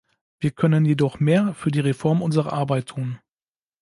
Wir können jedoch mehr für die Reform unserer Arbeit tun.